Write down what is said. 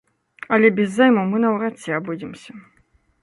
Але без займу мы наўрад ці абыдземся.